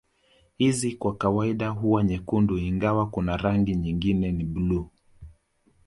Hizi kwa kawaida huwa nyekundu ingawa kuna rangi nyingine ni blue